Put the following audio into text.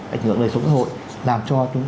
ảnh hưởng đời sống xã hội làm cho chúng